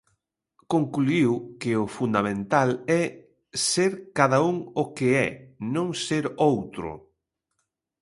Concluíu que o fundamental é "ser cada un o que é, non ser outro".